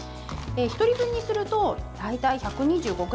１人分にすると大体１２５ｇ。